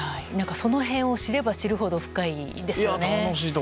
その辺を知れば知るほど深いですよね。